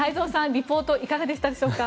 リポートいかがでしたか。